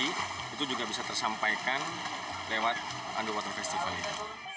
itu juga bisa tersampaikan lewat underwater festival ini